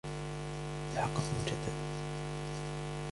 تحقق مجدداً.